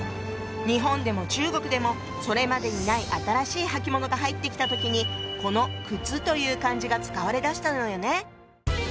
日本でも中国でもそれまでにない新しい履物が入ってきた時にこの「靴」という漢字が使われだしたのよね。